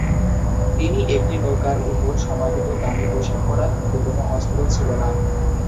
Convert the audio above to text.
তিনি একটি নৌকার উপর সমাহিত, দামী পোশাক পরা কিন্তু কোন অস্ত্র ছিলো না।